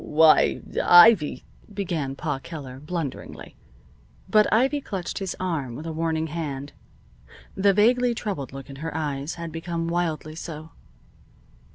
"Why Ivy " began Pa Keller, blunderingly. But Ivy clutched his arm with a warning hand. The vaguely troubled look in her eyes had become wildly so.